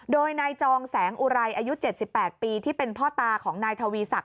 โดยนายจองแสงอุไรอายุ๗๘ปีที่เป็นพ่อตาของนายทวีศักดิ